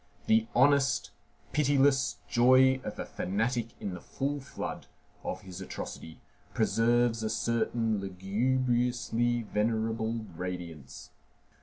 The honest, pitiless joy of a fanatic in the full flood of his atrocity preserves a certain lugubriously venerable radiance.